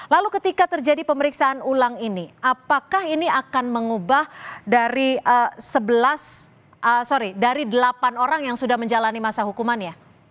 lalu ketika terjadi pemeriksaan ulang ini apakah ini akan mengubah dari delapan orang yang sudah menjalani masa hukuman ya